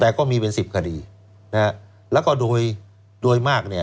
แต่ก็มีเป็นสิบคดีนะฮะแล้วก็โดยโดยมากเนี่ย